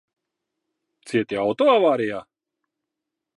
Cieti auto avārijā?